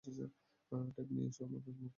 Tape নিয়ে এসো আর একটা মোজা।